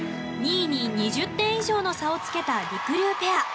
２位に２０点以上の差をつけたりくりゅうペア。